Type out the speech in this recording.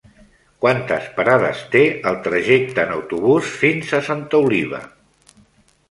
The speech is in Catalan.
Quantes parades té el trajecte en autobús fins a Santa Oliva?